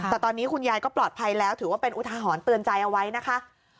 แต่ตอนนี้คุณยายก็ปลอดภัยแล้วถือว่าเป็นอุทหรณ์เตือนใจเอาไว้นะคะ